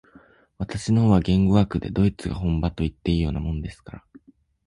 私の方は言語学でドイツが本場といっていいようなものですから、